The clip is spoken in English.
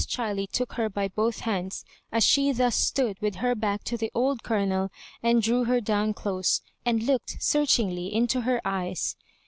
Chiley took her by both hands aa she thus stood with her back to the old Colonel, and drew her down close, and looked searchingly into her eyes.